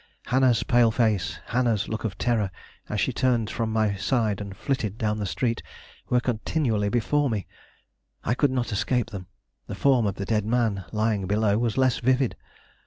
Hannah's pale face, Hannah's look of terror, as she turned from my side and flitted down the street, were continually before me. I could not escape them; the form of the dead man lying below was less vivid.